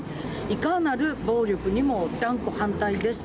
いかなる暴力にも断固、反対です。